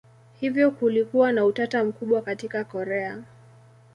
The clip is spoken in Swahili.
Hivyo kulikuwa na utata mkubwa katika Korea.